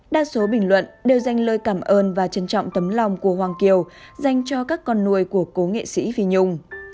đa số bình luận đều dành lời cảm ơn và trân trọng tấm lòng của hoàng kiều dành cho các con nuôi của cố nghệ sĩ vi nhung